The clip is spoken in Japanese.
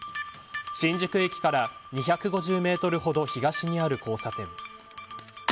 新宿駅から２５０メートルほど東にある交差点。